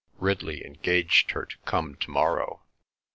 Ridley engaged her to come to morrow.